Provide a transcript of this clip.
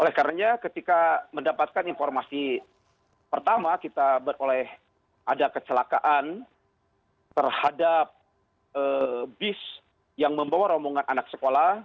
oleh karena ketika mendapatkan informasi pertama kita beroleh ada kecelakaan terhadap bis yang membawa rombongan anak sekolah